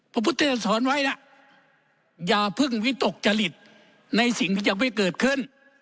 พระพุทธเจ้าท่านสอนไว้อย่าเพิ่งวิตกจริตในสิ่งที่ยังไม่เกิดขึ้น